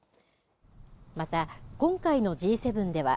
また、今回のＧ７では